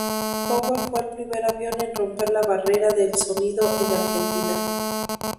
El Cougar fue el primer avión en romper la barrera del sonido en Argentina.